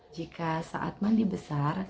jika saat mandi besar